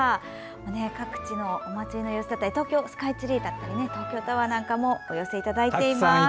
各地のお祭りの様子だったり東京スカイツリーだったり東京タワーなんかもお寄せいただいています。